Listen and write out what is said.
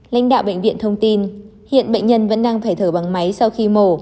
lãnh đạo bệnh viện thông tin hiện bệnh nhân vẫn đang phải thở bằng máy sau khi mổ